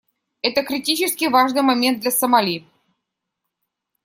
Это критически важный момент для Сомали.